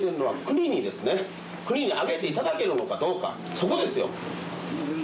国に上げていただけるのかどうかそこですよ。